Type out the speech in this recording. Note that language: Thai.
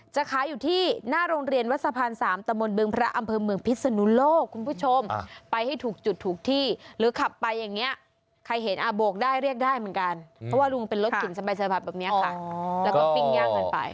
จะขายอยู่ที่หน้าโรงเรียนวัดสะพาน๓ตะมนต์บึงพระอำเภอเมืองพิศนุโลกคุณผู้ชมไปให้ถูกจุดถูกที่หรือขับไปอย่างนี้ใครเห็นอ่ะโบกได้เรียกได้เหมือนกันเพราะว่าลุงเป็นรถเข็นสบายแบบนี้ค่ะแล้วก็ปิ้งย่างกันไป